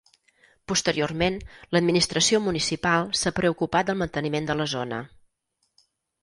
Posteriorment l'administració municipal s'ha preocupat del manteniment de la zona.